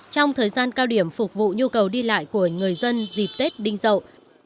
trong thời gian cao điểm phục vụ nhu cầu đi lại của người dân dịp tết đinh rậu